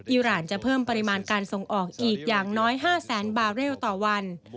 อิราณจะเพิ่มปริมาณการส่งออกอีกอย่างน้อย๕แสนบาเรลต่อวัน